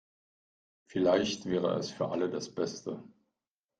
Vielleicht wäre es für alle das Beste.